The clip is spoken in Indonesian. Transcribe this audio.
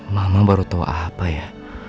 mama baru tahu apa ya